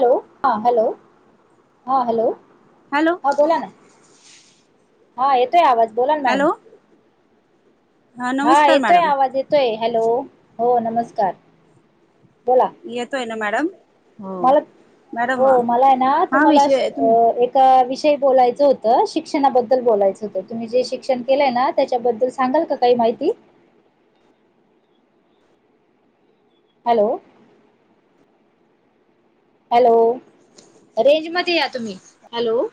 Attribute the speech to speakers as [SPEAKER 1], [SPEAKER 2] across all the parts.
[SPEAKER 1] Hello, हा hello, हा hello.
[SPEAKER 2] Hello.
[SPEAKER 1] हा बोला हा येतोय आवाज बोला ना मॅडम.
[SPEAKER 2] हॅलो
[SPEAKER 1] हा
[SPEAKER 2] नमस्कार
[SPEAKER 1] येतोय
[SPEAKER 2] मॅडम
[SPEAKER 1] आवाज, येतोय हॅलो, हो नमस्कार बोला.
[SPEAKER 2] येतोय ना मॅडम.
[SPEAKER 1] मला,
[SPEAKER 2] मॅडम
[SPEAKER 1] हो मला आहे ना,
[SPEAKER 2] हा
[SPEAKER 1] तुम्हाला अस
[SPEAKER 2] विषय तुम्ही
[SPEAKER 1] एक. विषय बोलायचं होतं, शिक्षणाबद्दल बोलायचं होतं, तुम्ही जे शिक्षण केलंय ना त्याच्याबद्दल सांगाल का? काही माहिती. हॅलो. हॅलो, रेंज मध्ये या तुम्ही! हॅलो.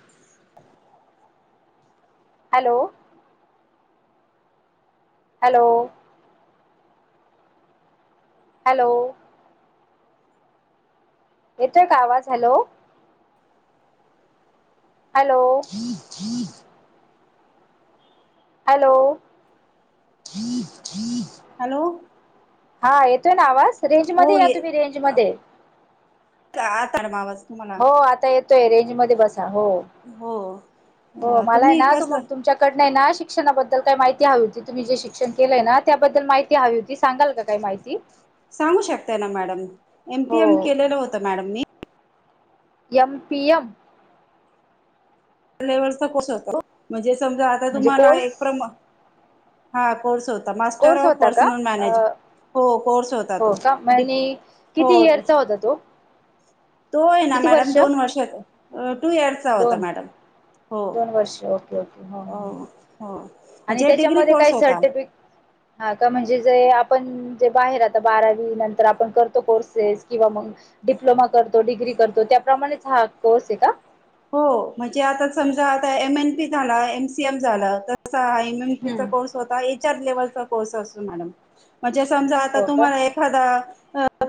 [SPEAKER 1] हॅलो. हॅलो. हॅलो. येतोय का आवाज? हॅलो. हॅलो. हॅलो.
[SPEAKER 2] हॅलो.
[SPEAKER 1] हा येतोय ना आवाज? रेंज मध्ये
[SPEAKER 2] हो
[SPEAKER 1] या तुम्ही, रेंज मध्ये.
[SPEAKER 2] आ तर्मावस् [unintelligible]
[SPEAKER 1] हो आता येतोय रेंज मध्ये बसा, हो,
[SPEAKER 2] हो
[SPEAKER 1] हो
[SPEAKER 2] अ
[SPEAKER 1] मला आहे
[SPEAKER 2] तुम्ही
[SPEAKER 1] ना तुम
[SPEAKER 2] कसलं
[SPEAKER 1] तुमच्या. नाही ना शिक्षणाबद्दल काही माहिती हवी होती, तुम्ही जे शिक्षण केलंय ना त्याबद्दल माहिती हवी होती. तुम्ही सांगाल का काय माहिती?
[SPEAKER 2] सांगू शकताय ना मॅडम, एम.
[SPEAKER 1] हो
[SPEAKER 2] पी. एम. केलेलं होतं मॅडम मी.
[SPEAKER 1] एम. पी. एम.
[SPEAKER 2] लेवलचा कोर्स होतो, म्हणजे समजा आता
[SPEAKER 1] म्हणजे
[SPEAKER 2] तुम्हाला
[SPEAKER 1] कोर्स
[SPEAKER 2] एक प्र हा कोर्स होतो. मास्टर
[SPEAKER 1] कोर्स
[SPEAKER 2] ऑफ
[SPEAKER 1] होता का
[SPEAKER 2] पर्सनल
[SPEAKER 1] अ
[SPEAKER 2] मॅनेजमेंट. हो कोर्स होता
[SPEAKER 1] हो
[SPEAKER 2] तो
[SPEAKER 1] का
[SPEAKER 2] प
[SPEAKER 1] आणि
[SPEAKER 2] हो.
[SPEAKER 1] किती इयरचा होता तो
[SPEAKER 2] तो आहे ना मॅडम दोन वर्ष येतो. टू इयर्सचा होता
[SPEAKER 1] दोन
[SPEAKER 2] मॅडम. हो,
[SPEAKER 1] दोन वर्ष ओके ओके
[SPEAKER 2] हो, हो
[SPEAKER 1] आणि त्याच्यामध्ये काही सर्टिफिकेट हा का? म्हणजे जे आपण जे बाहेर आता बारावी नंतर आपण करतो कोर्सेस किंवा मग डिप्लोमा करतो, डिग्री करतो त्याप्रमाणेच हा कोर्स आहे का?
[SPEAKER 2] हो. म्हणजे आता समजा, आता एम एन पी झाला एम सी एम झाला, तर कसा हा एम एन पी चा
[SPEAKER 1] हम्म
[SPEAKER 2] कोर्स होता, एच आर लेवलचा कोर्स असतो मॅडम. म्हणजे समजा आता
[SPEAKER 1] हो का
[SPEAKER 2] तुम्हाला एखादा,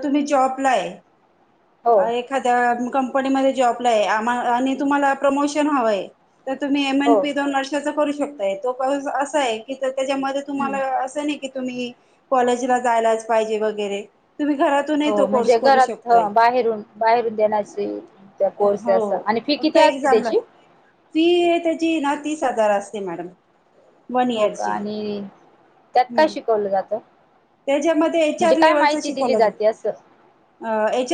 [SPEAKER 2] तुम्ही जॉबला आहे.
[SPEAKER 1] हो
[SPEAKER 2] [inaudible] अ एक एखाद्या कंपनीमध्ये जॉबला आहे, आम आणि तुम्हाला प्रमोशन हवंय. तर तुम्ही एम एन
[SPEAKER 1] हो
[SPEAKER 2] पी दोन वर्षाचा करू शकताय. तो असा आहे की, त्याच्या मध्ये
[SPEAKER 1] हम्म
[SPEAKER 2] तुम्हाला असं नाही की, तुम्ही कॉलेजला जायलाच पाहिजे वगैरे. तुम्ही घरात
[SPEAKER 1] हो. म्हणजे घरात बाहेरून बाहेरून देण्याची त्या कोर्स
[SPEAKER 2] हो
[SPEAKER 1] असं. आणि फि
[SPEAKER 2] फक्त एक्झामला. फी त्याची ना तीस हजार असते मॅडम. [inaudible]
[SPEAKER 1] हो का. आणि त्यात काय
[SPEAKER 2] हम्म
[SPEAKER 1] शिकवलं जातं?
[SPEAKER 2] त्याच्यामध्ये
[SPEAKER 1] [inaudible]
[SPEAKER 2] एच
[SPEAKER 1] म्हणजे
[SPEAKER 2] आर
[SPEAKER 1] काय
[SPEAKER 2] लेव्हलच
[SPEAKER 1] माहिती दिली
[SPEAKER 2] शिकवलं
[SPEAKER 1] जाते असं?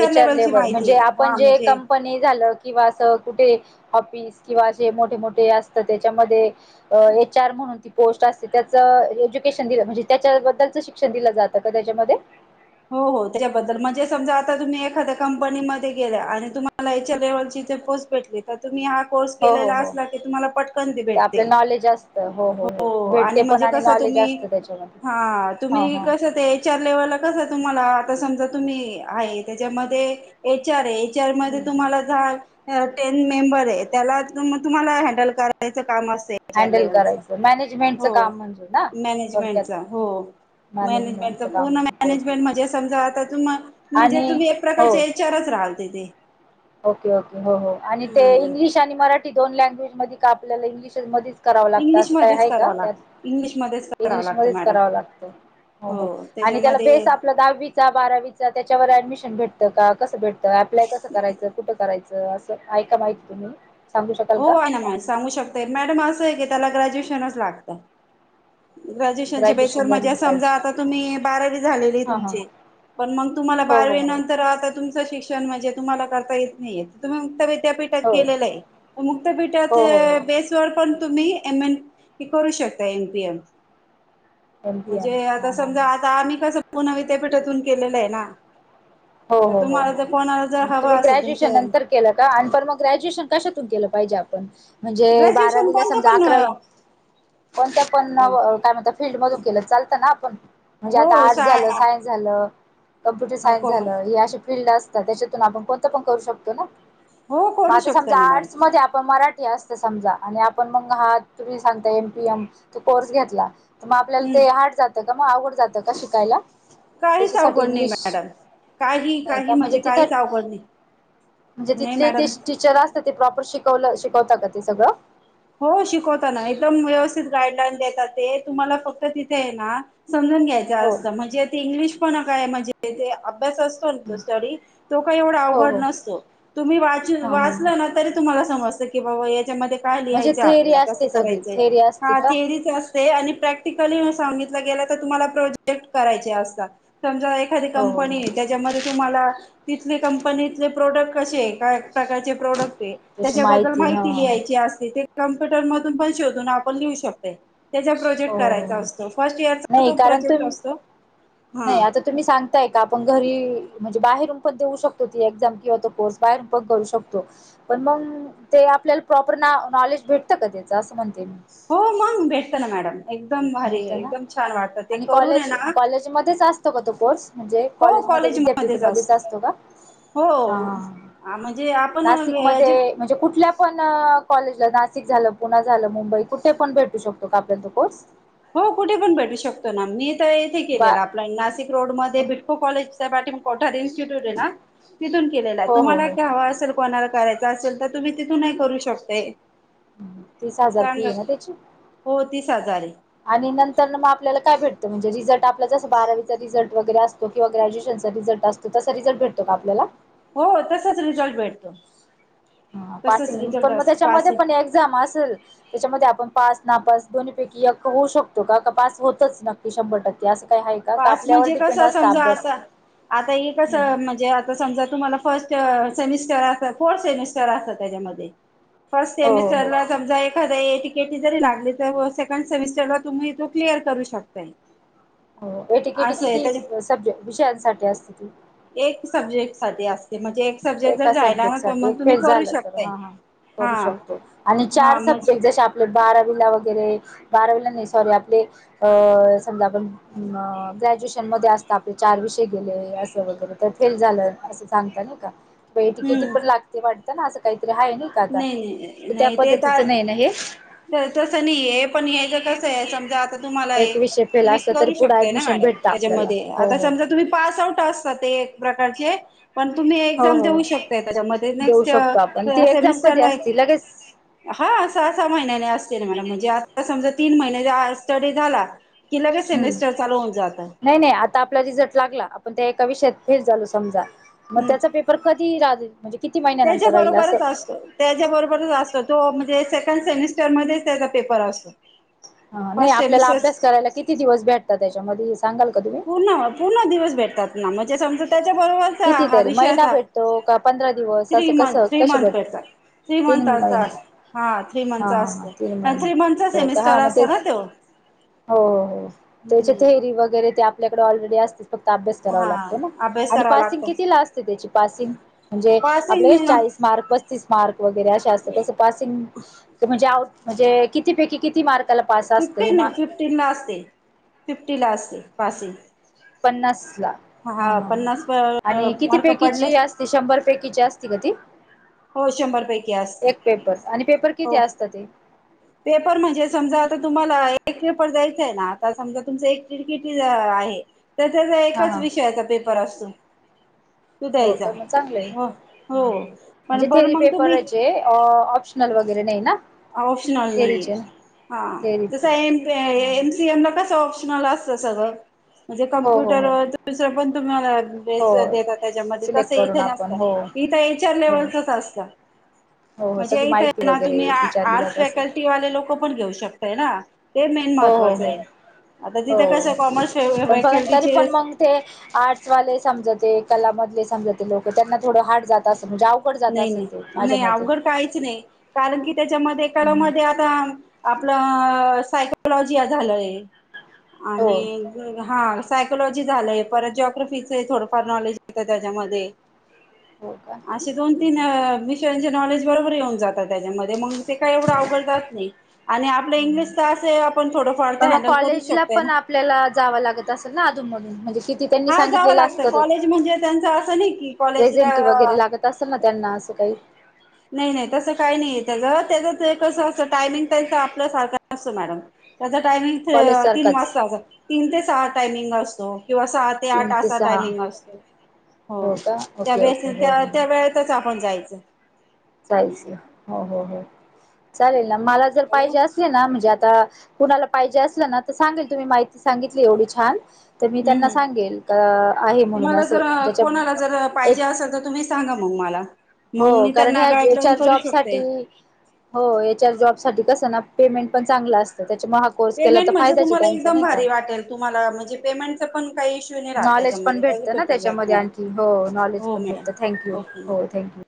[SPEAKER 1] एच आर
[SPEAKER 2] लेव्हलची
[SPEAKER 1] लेबल.
[SPEAKER 2] माहिती
[SPEAKER 1] म्हणजे
[SPEAKER 2] आहे हा
[SPEAKER 1] आपण जे
[SPEAKER 2] म्हणजे
[SPEAKER 1] कंपनी झालं किंवा असं कुठे ऑफि किंवा असं मोठे मोठे असतं, त्याच्यामध्ये अं एच आर म्हणून पोस्ट असते. त्याच एज्युकेशन दिलं, म्हणजे त्याच्याबद्दलच शिक्षण दिलं जातं का त्याच्यामध्ये?
[SPEAKER 2] हो हो त्याच्याबद्दल. म्हणजे समजा, आता तुम्ही एखाद्या कंपनीमध्ये गेल्या आणि तुम्हाला एच आर लेवलची भेटली. तर तुम्ही हा कोर्स
[SPEAKER 1] हो हो
[SPEAKER 2] केलेला
[SPEAKER 1] हो
[SPEAKER 2] असला की, तुम्हाला पटकन ती
[SPEAKER 1] तर
[SPEAKER 2] भेटते.
[SPEAKER 1] आपलं नॉलेज असतं
[SPEAKER 2] हो. आणि
[SPEAKER 1] भेटते पण
[SPEAKER 2] म्हणजे कसं
[SPEAKER 1] नॉलेज
[SPEAKER 2] तुम्ही,
[SPEAKER 1] असतं त्याच्यामध्ये
[SPEAKER 2] हा
[SPEAKER 1] हां
[SPEAKER 2] तुम्ही
[SPEAKER 1] हां
[SPEAKER 2] कसं ते एच आर लेवलला कस तुम्हाला? आता समजा तुम्ही आहे त्याच्यामध्ये एच आरये, ए एच आर मध्ये
[SPEAKER 1] हम्म.
[SPEAKER 2] तुम्हाला जा टेन मेंबर आहे त्याला, त तुम्हाला हँडल करायचं काम असेल. एच आर
[SPEAKER 1] हँडल
[SPEAKER 2] लेवलच.
[SPEAKER 1] करायचं मॅनेजमेंटचं
[SPEAKER 2] हो.
[SPEAKER 1] काम म्हणजे ना थोडक्यात
[SPEAKER 2] मॅनेजमेंटचं हो.
[SPEAKER 1] मॅनेजमेंटचं
[SPEAKER 2] मॅनेजमेंटच
[SPEAKER 1] काम
[SPEAKER 2] पूर्ण
[SPEAKER 1] ओके ओके
[SPEAKER 2] मॅनेजमेंट म्हणजे समजा, आता म्हणजे
[SPEAKER 1] आणि
[SPEAKER 2] तुम्ही एक
[SPEAKER 1] हो
[SPEAKER 2] प्रकारचे एच आर च राहल तीथे.
[SPEAKER 1] ओके ओके हो हो. आणि ते
[SPEAKER 2] हम्म
[SPEAKER 1] इंग्लिश आणि मराठी दोन लँग्वेज मध्ये का? आपल्याला इंग्लिश च मध्यी करावं लागत असं काय
[SPEAKER 2] इंग्लिशमध्येच
[SPEAKER 1] आहे का
[SPEAKER 2] करावं
[SPEAKER 1] त्यात?
[SPEAKER 2] लागत इंग्लिशमध्येच करावं लागतं
[SPEAKER 1] इंग्लिशमध्येच
[SPEAKER 2] मॅडम
[SPEAKER 1] करावं लागत. हो हो. आणि त्याला बेस आपलं दाहावी चा बारावीचा त्याच्यावर ऍडमिशन भेटतं का? कसं भेटतं? अप्लाय कसं जर कुठं करायचं असं, आहे का माहिती तुम्ही? सांगू शकाल
[SPEAKER 2] हो
[SPEAKER 1] का
[SPEAKER 2] आहे ना म सांगू शकते. मॅडम असं आहे की, त्याला ग्रॅज्युएशनच लागतं. ग्रॅज्युएशनच्या बेसवर
[SPEAKER 1] ग्रॅज्युएशन
[SPEAKER 2] म्हणजे,
[SPEAKER 1] झालेलं
[SPEAKER 2] समजा
[SPEAKER 1] पाहिजे
[SPEAKER 2] आता तुम्ही बारावी झालेली आहे
[SPEAKER 1] हां हां
[SPEAKER 2] तुमची पण मग तुम्हाला
[SPEAKER 1] हो हो
[SPEAKER 2] बारवी
[SPEAKER 1] हो
[SPEAKER 2] नंतर आता तुम्ही शिक्षण म्हणजे तुम्हाला करता येत नाहीये, तुम्ही मुक्तविद्यापीठात
[SPEAKER 1] हो
[SPEAKER 2] केलेलंय मुक्तपीठाचे
[SPEAKER 1] हो हो हो
[SPEAKER 2] बेसवर पण तुम्ही एम ए क करू शकता एमपीएम.
[SPEAKER 1] एम पी एम
[SPEAKER 2] म्हणजे आता
[SPEAKER 1] हां हां
[SPEAKER 2] समजा
[SPEAKER 1] हां
[SPEAKER 2] आता आम्ही कसं पुना विद्यापीठातून केलेलं आहे ना.
[SPEAKER 1] हो
[SPEAKER 2] आता
[SPEAKER 1] हो हो
[SPEAKER 2] तुम्हाला जर कोणाला जर हव असेल तुमचं
[SPEAKER 1] केला का? आणि पण मग ग्रॅज्युएशन कशातून केलं पाहिजे आपण? म्हणजे
[SPEAKER 2] ग्रॅज्युएशन
[SPEAKER 1] बारावीला
[SPEAKER 2] कोणतं
[SPEAKER 1] समजा
[SPEAKER 2] पण
[SPEAKER 1] अकरावी, [inaudible] कोणत्या पण काय म्हणता? फील्ड मधून केलं चालतं ना पण? म्हणजे
[SPEAKER 2] हो
[SPEAKER 1] आता आर्ट्स
[SPEAKER 2] साय
[SPEAKER 1] झाले सायन्स झाले कॉम्प्युटर
[SPEAKER 2] हो
[SPEAKER 1] सायन्स
[SPEAKER 2] कोमल
[SPEAKER 1] झालं हे असे फील्ड असतात. त्याच्यातून आपण कोणतं पण करू शकतो ना.
[SPEAKER 2] हो
[SPEAKER 1] म
[SPEAKER 2] करू
[SPEAKER 1] आता
[SPEAKER 2] शकता
[SPEAKER 1] समजा
[SPEAKER 2] ना मॅडम
[SPEAKER 1] आर्ट्स मध्ये आपण मराठी असते समजा. आणि आपण मग हा तुम्ही सांगता एम पी एम तो कोर्स घेतला तरं मंग आपल्यांला
[SPEAKER 2] हम्म
[SPEAKER 1] ते हार्ड जातं कां मंग आवघडं जातं कां शिकांयला
[SPEAKER 2] काहीच
[SPEAKER 1] त्यांच्यासाठी
[SPEAKER 2] अवघड नाही
[SPEAKER 1] इंग्लिश
[SPEAKER 2] मॅडम काही
[SPEAKER 1] नाहीं
[SPEAKER 2] काही
[SPEAKER 1] कां म्हणजे
[SPEAKER 2] काहीच अवघड नाही
[SPEAKER 1] तिथं
[SPEAKER 2] नाही
[SPEAKER 1] तिथले ते
[SPEAKER 2] मॅडम
[SPEAKER 1] टीचर असं ते प्रॉपर शिव शिकवतां कां ते सगळं
[SPEAKER 2] हो शिकवतांना एकदंम व्यवस्थित गाईडलाईन देतांत ते तुम्हांला फक्तं तिथे आहे नां समजूंन घ्यायचं
[SPEAKER 1] हो
[SPEAKER 2] असतं म्हणजे ते इंग्लिश पणं कायं म्हणजे ते अभ्यास असं तो कांहीं एवढां
[SPEAKER 1] हो
[SPEAKER 2] अवघडं
[SPEAKER 1] हो
[SPEAKER 2] नतो तुम्हीं
[SPEAKER 1] हा हा
[SPEAKER 2] वाचलं तरी तुम्हांला समजतं की बाबां यांच्यामध्ये कायं
[SPEAKER 1] म्हणजे
[SPEAKER 2] लिहायचं
[SPEAKER 1] थेअरी
[SPEAKER 2] आपल्याला कसं
[SPEAKER 1] असते सगळी
[SPEAKER 2] करायचंय
[SPEAKER 1] थेअरी असते
[SPEAKER 2] हां
[SPEAKER 1] का
[SPEAKER 2] ते तीस दिवसं असते आणि पार्टिकली सांगितले गेले तरं तुम्हांला प्रोजेक्ट करांयचे असतांत समजां घरी
[SPEAKER 1] हो हो
[SPEAKER 2] कंपनीते येतं त्यांच्यामध्ये तुम्हांला तिथले कंपनीतले प्रोडक्ट कसे आहे कायं प्रकारचें प्रोडक्ट आहे
[SPEAKER 1] त्याची
[SPEAKER 2] त्यांच्याबद्दल
[SPEAKER 1] हा
[SPEAKER 2] माहिती
[SPEAKER 1] हो
[SPEAKER 2] लिहांयची असते ते कम्प्युटर मधूंन पणं शोधूंन आपणं लिहूं शकतंय त्यांचा प्रोजेक्ट
[SPEAKER 1] हो
[SPEAKER 2] करांयचा असतो फर्स्ट इयर चां तो प्रोजेक्ट असतो हा.
[SPEAKER 1] नाहीं आंता तुम्हीं सांगि आंता एकदां आपणं घरी म्हणजे बाहेर पणं देऊ शकतो ते एझांम किंवा तो कोर्स बाहेरून पणं करूं शकतो पणं मंग ते आपल्याला प्रॉपर नां नॉलेज भेटतं कां त्यांचं असं म्हणते मी
[SPEAKER 2] हो मंग भेटतं नां मॅडम एकदम भारी
[SPEAKER 1] भेटतं नां
[SPEAKER 2] एकदम छान वाटतं ते
[SPEAKER 1] आणि
[SPEAKER 2] करून आहे
[SPEAKER 1] कॉलेज
[SPEAKER 2] ना
[SPEAKER 1] कॉलेज मध्येचं असतं कां तो कोर्स म्हणजे
[SPEAKER 2] हो
[SPEAKER 1] कॉलेजमध्यें
[SPEAKER 2] कॉलेजमध्येच
[SPEAKER 1] विद्यापीठमध्येंचं असतो कां
[SPEAKER 2] हो म्हणजे आपणं हे
[SPEAKER 1] म्हणजे कुंठल्या पणं कॉलेजिक झालं पुणे झालं मुंबई कुंठे पणं भेटूं शकतो आपल्या कोर्स
[SPEAKER 2] हो कुंठे पणं भेटूं शकतो नां मी तरं येथे
[SPEAKER 1] बा
[SPEAKER 2] केलेला आपलां नाशिक रोड मध्यें बिटको कॉलेज त्यांपाठी कोठारे यांची आहे नां तीथूंन केलां आहे
[SPEAKER 1] हो हो
[SPEAKER 2] तुम्हांला
[SPEAKER 1] हो
[SPEAKER 2] हां असेल कोणांला करांयचा असेल तरं तुम्हीं तिथूंन नाहीं करूं शकतां
[SPEAKER 1] तीस हजार फी आहे ना
[SPEAKER 2] चाललं
[SPEAKER 1] त्याची
[SPEAKER 2] हो तीस हजार आहे
[SPEAKER 1] आणि नंतर नां मगं आपल्याला कायं भेटतं म्हणजे रिझल्टं आपलां जसं बारावीचा रिझ्टं वगैरें असतो किं ग्रॅज्युएशन चां रिझल्ट असतं तसां रिझल्ट भेटतो कां आपलां
[SPEAKER 2] हो तसांच रिझल्ट भेटतो
[SPEAKER 1] हां
[SPEAKER 2] तसच
[SPEAKER 1] पासिंग पणं मंग
[SPEAKER 2] रिझल्ट पास
[SPEAKER 1] त्यांच्यामध्ये
[SPEAKER 2] आहे
[SPEAKER 1] पणं एक्झांम असेल त्यांच्यामध्ये आपणं पास नां पास दोन्हीपैकी एक होऊं शकतो कां पास होतंच नक्की शंभर टक्के असं कायं आहे का का
[SPEAKER 2] पांच
[SPEAKER 1] आपल्यावर
[SPEAKER 2] म्हणजे
[SPEAKER 1] डिपेंड
[SPEAKER 2] कसं
[SPEAKER 1] असतं
[SPEAKER 2] समजां
[SPEAKER 1] अभ्यास
[SPEAKER 2] आंता आंता हे
[SPEAKER 1] हम्म.
[SPEAKER 2] कसं म्हणजे समजां तुम्हांला फर्स्ट सेमिस्टर असं फोर्थ सेमिस्टर असतं त्यांच्यामध्ये फर्स्ट
[SPEAKER 1] हो हो
[SPEAKER 2] सेमिस्टर
[SPEAKER 1] हो
[SPEAKER 2] लां समजां एक एखांद्या ए टीकेटी जरी लागली तरं सेकंड सेमिस्टंरला तुम्हीं तो क्लिअर करूं शकतां
[SPEAKER 1] हो एटीकिटी किती सब्जे विषयांसाठी असते ती
[SPEAKER 2] एक सब्जेक्ट सांठी असते म्हणजे सब्जेक्ट जर
[SPEAKER 1] एकां
[SPEAKER 2] राहिला
[SPEAKER 1] सब्जेक्ट
[SPEAKER 2] ना तर
[SPEAKER 1] सांठी
[SPEAKER 2] मग
[SPEAKER 1] एक
[SPEAKER 2] तुम्ही
[SPEAKER 1] फेल
[SPEAKER 2] करू
[SPEAKER 1] झालं तरं
[SPEAKER 2] शकताय
[SPEAKER 1] हां हां
[SPEAKER 2] हा
[SPEAKER 1] करूं शकतो आणि
[SPEAKER 2] हा
[SPEAKER 1] चार
[SPEAKER 2] मग
[SPEAKER 1] सब्जेक्ट जशे आपणं आपले बारावीला वगैरें बारावीला नाहीं सॉरी आपले अं समजां आपणं ग्रॅज्युएशन मध्यें असतं आपले चार विषय गेले असं वगैरें तरं फेल झालं सांगता नाहीं कां
[SPEAKER 2] हम्म
[SPEAKER 1] टिकेटीपणं लागते वाटतं नां असं कांहींतरी आहे नां कां
[SPEAKER 2] नाही
[SPEAKER 1] तरं
[SPEAKER 2] नाही
[SPEAKER 1] त्यां
[SPEAKER 2] नाही
[SPEAKER 1] पद्धतीचं
[SPEAKER 2] ते
[SPEAKER 1] नाहीं नां हे
[SPEAKER 2] तसं नाहीं हे पणं यायचं कसं आहे समजां आंता तुम्हांला
[SPEAKER 1] एक विषय फेल
[SPEAKER 2] तुम्हीं
[SPEAKER 1] असला तरी
[SPEAKER 2] करूं
[SPEAKER 1] पुढं
[SPEAKER 2] शकतांय नां
[SPEAKER 1] ऍडमिशन
[SPEAKER 2] मॅडम
[SPEAKER 1] भेटतं आपल्याला
[SPEAKER 2] त्यांच्यामध्ये
[SPEAKER 1] हो
[SPEAKER 2] आंता
[SPEAKER 1] हो
[SPEAKER 2] समजां तुम्हीं पास आऊट पणं तेच्यां प्रकारचे पणं तुम्हीं
[SPEAKER 1] हो
[SPEAKER 2] एक्झांम
[SPEAKER 1] हो
[SPEAKER 2] देऊं शकतांत त्यांच्या मध्यें
[SPEAKER 1] देऊ
[SPEAKER 2] नेक्स्ट
[SPEAKER 1] शकतो आपण ती एक्झाम कधी
[SPEAKER 2] सविस्तर आहे
[SPEAKER 1] असती लगेच
[SPEAKER 2] हा सहा सहा महिन्याने असते ना मॅडम म्हणजे आता समजा तीन महिन्या ज्या स्टडी झाला की लगेच
[SPEAKER 1] हम्म
[SPEAKER 2] सेमेस्टर चालू होऊन जातं.
[SPEAKER 1] नाही नाही आता आपला रिझल्ट लागला आपण त्या एका विषयात फेल झालो समजा म
[SPEAKER 2] हम्म
[SPEAKER 1] त्याचा पेप पर कधी राहते म्हणजे किती महिन्यानंतर राहील असं.
[SPEAKER 2] त्याच्याबरोबरच असतो तो म्हणजे सेकंड सेमिस्टरमध्येच त्याचा पेपर अस
[SPEAKER 1] हा नाही आपल्याला अभ्यास करायला किती दिवस भेटता त्याच्यामध्ये हे सांगाल का तुम्ही?
[SPEAKER 2] पूर्ण पूर्ण दिवस भेटतात ना म्हणजे समजा त्याच्याबरोबर हा हा
[SPEAKER 1] कितीतरी महिना
[SPEAKER 2] विषयचां
[SPEAKER 1] भेटतो का पंधरा दिवस
[SPEAKER 2] थ्री
[SPEAKER 1] असं
[SPEAKER 2] मंथ
[SPEAKER 1] कसं
[SPEAKER 2] थ्री
[SPEAKER 1] कसे
[SPEAKER 2] मंथ
[SPEAKER 1] भेटत
[SPEAKER 2] भेटतात. थ्री
[SPEAKER 1] तीन
[SPEAKER 2] मंथाचा
[SPEAKER 1] महिने
[SPEAKER 2] हा थ्री
[SPEAKER 1] हा
[SPEAKER 2] मंथचा
[SPEAKER 1] हा हा
[SPEAKER 2] असतो
[SPEAKER 1] तीन
[SPEAKER 2] आणि थ्री मंथचा
[SPEAKER 1] महिने हो का हा
[SPEAKER 2] सेमिस्टर
[SPEAKER 1] मग
[SPEAKER 2] असतो ना
[SPEAKER 1] तेच
[SPEAKER 2] त्यो.
[SPEAKER 1] हो हो त्याच्या थेअरी वगैरे ते आपल्याकडे ऑलरेडी असते फक्त अभ्यास करावा
[SPEAKER 2] हा
[SPEAKER 1] लागतो ना.
[SPEAKER 2] अभ्यास
[SPEAKER 1] आणि
[SPEAKER 2] करावा
[SPEAKER 1] पासिंग
[SPEAKER 2] लागतो
[SPEAKER 1] किती ला असते त्याची पासिंग म्हणजे
[SPEAKER 2] पासिंग
[SPEAKER 1] आपल्या चाळीस मार्क पस्तीस मार्क वगैरे अशे चा असतो त्याचा पासिंग क म्हणजे आउट म्हणजे किती पैकी किती मार्क
[SPEAKER 2] फिफ्टीन फिफ्टीन ला असते फिफ्टी ला असते पासिंग.
[SPEAKER 1] पन्नास ला हा हा
[SPEAKER 2] पन्नास
[SPEAKER 1] आणि किती
[SPEAKER 2] मार्क
[SPEAKER 1] पैकीची
[SPEAKER 2] पडलेच
[SPEAKER 1] अस ती शंभरपैकीचा असती का ती?
[SPEAKER 2] हो शंभर पैकी असती.
[SPEAKER 1] पेपर्स आणि पेपर किती असता ते?
[SPEAKER 2] पेपर म्हणजे समजा आता तुम्हाला एक पेपर द्यायचं आहे ना आता समजा तुमचा एक [unintelligible] कितीचा आहे तर त्याचा
[SPEAKER 1] हा
[SPEAKER 2] एकाच
[SPEAKER 1] हा
[SPEAKER 2] विषयाचा पेपर असतो. तो
[SPEAKER 1] हो
[SPEAKER 2] द्यायचा
[SPEAKER 1] का मग चांगलं हा
[SPEAKER 2] हो
[SPEAKER 1] हा आहे
[SPEAKER 2] हो
[SPEAKER 1] म्हणजे
[SPEAKER 2] पण बरं
[SPEAKER 1] थेअरी
[SPEAKER 2] मग तुम्ही
[SPEAKER 1] पेपराचे अ ऑप्शनल वगैरे नाही ना.
[SPEAKER 2] ऑप्शनल नाहीये
[SPEAKER 1] थेअरीचे
[SPEAKER 2] हा
[SPEAKER 1] चेरीच
[SPEAKER 2] जसं एम ते एमस सी एम ला कसं ऑप्शनल असतं सगळं म्हणजे
[SPEAKER 1] हो हो
[SPEAKER 2] कम्प्युटर
[SPEAKER 1] हो
[SPEAKER 2] दुसरं पण तुम्हाला
[SPEAKER 1] हो
[SPEAKER 2] तेच देतात त्याच्यामध्ये
[SPEAKER 1] सिलेक्ट
[SPEAKER 2] तसं
[SPEAKER 1] करून
[SPEAKER 2] इथे
[SPEAKER 1] आपण
[SPEAKER 2] नसतं
[SPEAKER 1] हो
[SPEAKER 2] इथं एच आर
[SPEAKER 1] हो
[SPEAKER 2] लेवलचच असतं.
[SPEAKER 1] हो हो
[SPEAKER 2] म्हणजे
[SPEAKER 1] सगळी
[SPEAKER 2] इथं
[SPEAKER 1] माहिती
[SPEAKER 2] आहे ना तुम्ही
[SPEAKER 1] वगैरे
[SPEAKER 2] आर्ट
[SPEAKER 1] विचारली
[SPEAKER 2] आर्ट्स
[SPEAKER 1] जात असेल
[SPEAKER 2] फॅकल्टीवाले लोक पण घेऊ शकताय ना. ते मेन
[SPEAKER 1] हो हो
[SPEAKER 2] महत्त्वाचं आहे
[SPEAKER 1] हो
[SPEAKER 2] आता तिथे
[SPEAKER 1] हो
[SPEAKER 2] कसं कॉमर्स फे अ
[SPEAKER 1] पण तरी पण
[SPEAKER 2] फॅकल्टीचेस
[SPEAKER 1] मग ते आर्टसवाले समजा ते कला मधले समजा ते लोकं त्यांना थोडं हार्ड जात असं म्हणजे अव
[SPEAKER 2] नाही नाही नाही अवघड काहीच नाही कारण की त्याच्यामध्ये
[SPEAKER 1] हम्म.
[SPEAKER 2] कळामध्ये आता आपलं सायकलॉजीया झालंय
[SPEAKER 1] हो
[SPEAKER 2] आणि हा सायकोलॉजी झालंय परत ज्यॉग्रफीचे थोडफार नॉलेज येतं त्याच्यामध्ये.
[SPEAKER 1] हो का.
[SPEAKER 2] अशे दोन-तीन विषयांचे नॉलेज बरोबर येऊन जातात त्याच्यामध्ये मंग ते काही एवढं अवघडतात नाही. आणि आपलं इंग्लिश तर असे आपण थोडंफार ते
[SPEAKER 1] पण मग
[SPEAKER 2] हँडल करू
[SPEAKER 1] कॉलेजला
[SPEAKER 2] शकतोय
[SPEAKER 1] पण
[SPEAKER 2] ना.
[SPEAKER 1] आपल्याला जावा लागत असेल ना अधून मधुन म्हणजे कित ती त्यांनी
[SPEAKER 2] हा जावं
[SPEAKER 1] सांगितले
[SPEAKER 2] लागतं
[SPEAKER 1] असतं
[SPEAKER 2] कॉलेज म्हणजे त्यांचं असं नाही की कॉलेजला
[SPEAKER 1] प्रेझेंटी वगैरे लागत तसं ना त्यांना असं काही
[SPEAKER 2] नाही नाही तसं काही नाही त्याच त्याच कसं असं टायमिंग त्यांच आपल्या सारखं नसतो मॅडम त्याचा टायमिंग
[SPEAKER 1] कॉलेज
[SPEAKER 2] तीन
[SPEAKER 1] सारखाच
[SPEAKER 2] वाजताचा तीन ते सहा टायमिंग असतो किंवा सात ते आठ
[SPEAKER 1] तीन
[SPEAKER 2] असा
[SPEAKER 1] सहा
[SPEAKER 2] टायमिंग असतो हो
[SPEAKER 1] का
[SPEAKER 2] त्या
[SPEAKER 1] ओके ओके
[SPEAKER 2] [unintelligible]
[SPEAKER 1] हो
[SPEAKER 2] त्या
[SPEAKER 1] हो
[SPEAKER 2] त्यावेळेत तसं आपण जायचं.
[SPEAKER 1] जायच हो हो हो चालेल ना मला जर
[SPEAKER 2] हॅलो
[SPEAKER 1] पाहिजे अस ते ना म्हणजे आता कुणाला पाहिजे असलं ना तर सांगेल तुम्ही माहिती सांगितली एवढी छान तर मी
[SPEAKER 2] हम्म
[SPEAKER 1] त्यांना
[SPEAKER 2] हम्म
[SPEAKER 1] सांगेल का आहे म्हणून असं त्याच्या एक
[SPEAKER 2] [unintelligible] तुम्हीच सांगा मग मला मग
[SPEAKER 1] हो
[SPEAKER 2] मी
[SPEAKER 1] कारण
[SPEAKER 2] त्यांना
[SPEAKER 1] या हच्या
[SPEAKER 2] गाईडलाईन करू
[SPEAKER 1] जॉबसाठी
[SPEAKER 2] शकते
[SPEAKER 1] हो याच्या जॉब साठी कसं ना पेमेंट पण चांगलं असत त्याच्यामुळे हा कोर्स केला
[SPEAKER 2] पेमेंट
[SPEAKER 1] तर
[SPEAKER 2] म्हणजे
[SPEAKER 1] फायदा
[SPEAKER 2] तुम्हाला
[SPEAKER 1] त्यांचा
[SPEAKER 2] एकदम
[SPEAKER 1] नाही का.
[SPEAKER 2] भारी वाटेल तुम्हाला म्हणजे काय पेमेंटचा पण इशू?
[SPEAKER 1] नॉलेज पण भेटतं ना त्याच्यामध्ये आणखी हो नॉलेज
[SPEAKER 2] हो
[SPEAKER 1] पण
[SPEAKER 2] मॅडम
[SPEAKER 1] भेटतं थथँक्यू
[SPEAKER 2] ओके मॅम
[SPEAKER 1] हो थँक्यू.